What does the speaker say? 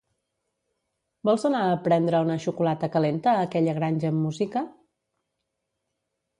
Vols anar a prendre una xocolata calenta a aquella granja amb música?